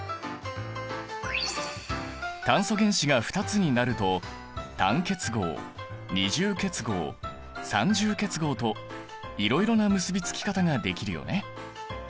炭素原子が２つになると単結合二重結合三重結合といろいろな結び付き方ができるよね。